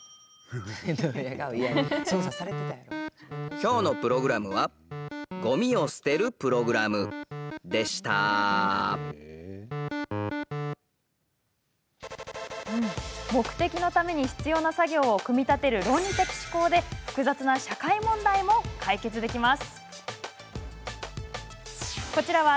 きょうのプログラムはゴミを捨てるプログラムでした目的のために必要な作業を組み立てる論理的思考で複雑な社会問題も解決できます。